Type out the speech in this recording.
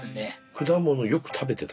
果物よく食べてた？